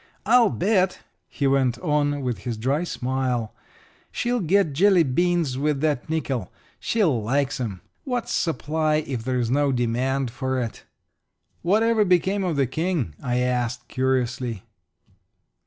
I'll bet," he went on, with his dry smile, "she'll get jelly beans with that nickel she likes 'em. What's supply if there's no demand for it?" "What ever became of the King?" I asked, curiously.